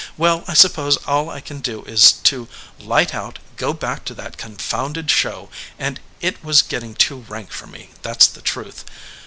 Well, I suppose all I can do is to light out, go back to that confounded show, and it was getting too rank for me, that s the truth.